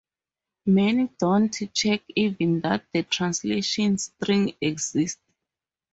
Many don't check even that the translation strings exist